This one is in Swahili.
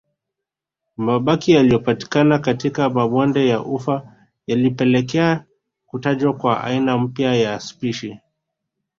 Mabaki yaliyopatikana katika mabonde ya ufa yalipelekea kutajwa kwa aina mpya ya spishi